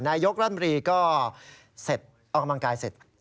นายกรัฐมนตรีก็เสร็จออกกำลังกายเสร็จ